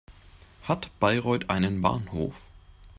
Hat Bayreuth einen Bahnhof?